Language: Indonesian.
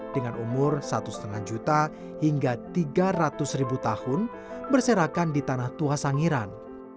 dengan umur satu lima juta hingga tiga ratus ribu tahun berserakan di tanah tua sangiran